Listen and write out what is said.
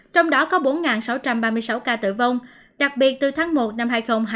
trong đó có bốn sáu trăm ba mươi sáu ca tử vong đặc biệt từ tháng một năm hai nghìn hai mươi ba